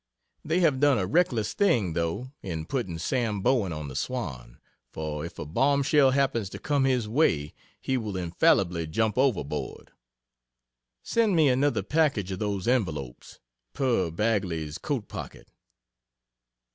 They have done a reckless thing, though, in putting Sam Bowen on the "Swan" for if a bomb shell happens to come his way, he will infallibly jump overboard. Send me another package of those envelopes, per Bagley's coat pocket.